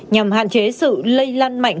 nhằm hạn chế sự lây lan mạnh